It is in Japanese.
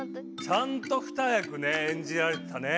ちゃんと二役ね演じられてたね。